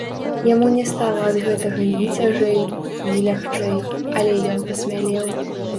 Яму не стала ад гэтага ні цяжэй, ні лягчэй, але ён пасмялеў.